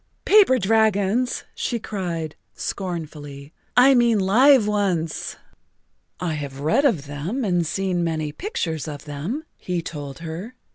"Paper dragons," she cried scornfully. "I mean live ones." "I have read of them and seen many pictures of them," he told her.